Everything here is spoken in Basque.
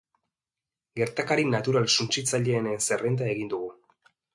Gertakari natural suntsitzaileenen zerrenda egin dugu.